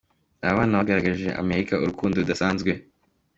Aba bana bagaragarije Amerika urukundo rudasanzwe.